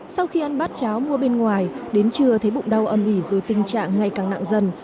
sau khi ăn bát cháo mua bên ngoài đến trưa thấy bụng đau âm ỉ rồi tình trạng ngày càng nặng dần